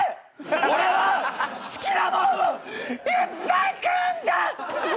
俺は好きなもんをいっぱい食うんだ！